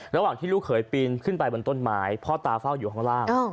ระหว่างที่ลูกเขยปีนขึ้นไปบนต้นไม้พ่อตาเฝ้าอยู่ข้างล่าง